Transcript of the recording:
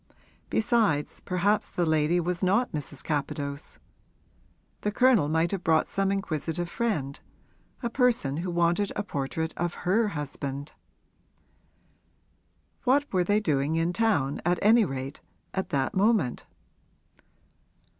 Besides, perhaps the lady was not Mrs. Capadose; the Colonel might have brought some inquisitive friend, a person who wanted a portrait of her husband. What were they doing in town, at any rate, at that moment?